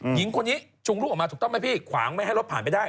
หญิงคนนี้จุงลูกออกมาถูกต้องไหมพี่ขวางไม่ให้รถผ่านไปได้